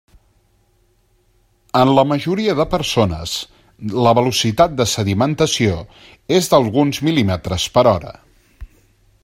En la majoria de persones, la velocitat de sedimentació és d'alguns mil·límetres per hora.